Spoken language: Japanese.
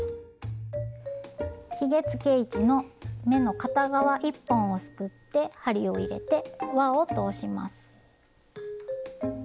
ひげつけ位置の目の片側１本をすくって針を入れて輪を通します。